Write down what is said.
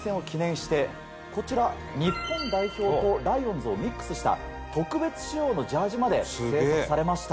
こちら日本代表とライオンズをミックスした特別仕様のジャージーまで制作されました。